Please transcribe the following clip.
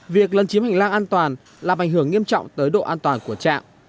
việc lân chiếm hành lang an toàn làm ảnh hưởng nghiêm trọng tới độ an toàn của chạm